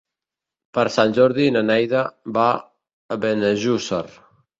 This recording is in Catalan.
Per Sant Jordi na Neida va a Benejússer.